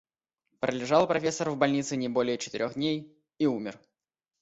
Пролежал профессор в больнице не более четырех дней и умер.